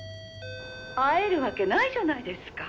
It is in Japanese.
会えるわけないじゃないですか。